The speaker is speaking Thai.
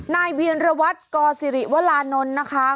นายเบียนรวรรษกสิริวรานนท์นะคะ